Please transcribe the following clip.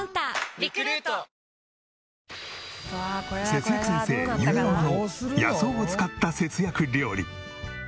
節約先生ゆにママの野草を使った節約料理。